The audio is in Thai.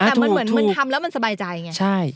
แต่มันเหมือนมันทำแล้วมันสบายใจไง